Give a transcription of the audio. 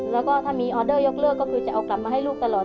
แล้วก็ถ้ามีออเดอร์ยกเลิกก็คือจะเอากลับมาให้ลูกตลอด